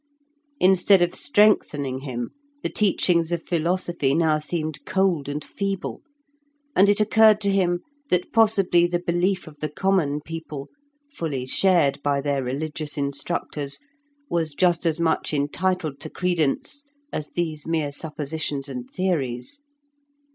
Instead of strengthening him, the teachings of philosophy now seemed cold and feeble, and it occurred to him that possibly the belief of the common people (fully shared by their religious instructors) was just as much entitled to credence as these mere suppositions and theories.